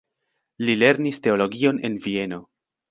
Li lernis teologion en Vieno.